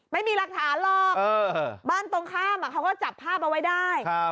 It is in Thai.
ไม่มีหลักฐานหรอกบ้านตรงข้ามเขาก็จับภาพเอาไว้ได้